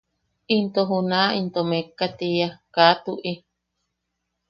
Into junaʼa into mekka tiia –Kaa tuʼi.